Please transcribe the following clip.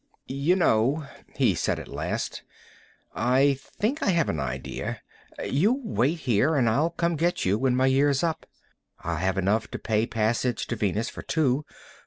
"You know," he said at last, "I think I have an idea. You wait here and I'll come get you when my year's up. I'll have enough to pay passage to Venus for two.